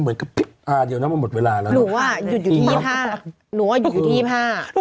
อย่างนี้มันเร็วน้องเฮียมันเร็วอยู่นะ